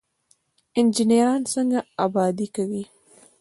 انجنیران څنګه ابادي کوي؟